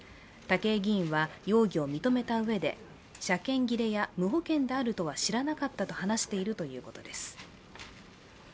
武井議員は容疑を認めたうえで、車検切れや無保険であるとは知らなかったと話しているということです。